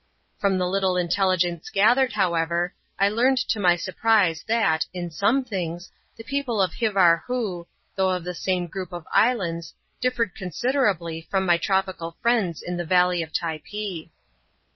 >m the little intelligence gathered, however, I learned to rprise that, in some things, the people of Hivarhoo, though 3 same group of islands, differed considerably from my al friends in the valley of Typee.